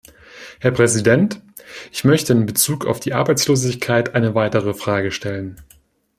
Herr Präsident! Ich möchte in bezug auf die Arbeitslosigkeit eine weitere Frage stellen.